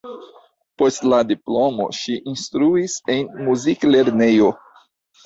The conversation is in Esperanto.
Post la diplomo ŝi instruis en muziklernejo.